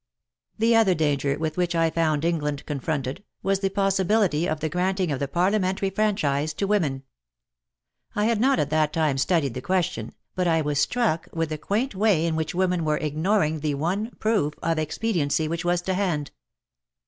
The other danger with which I found England confronted, was the possibility of the granting of the parliamentary franchise to women. I had not at that time studied the question, but I was struck with the quaint way in which women were ignoring the one proof of expediency which was to hand.